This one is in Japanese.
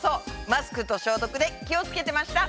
マスクと消毒で気を付けてました！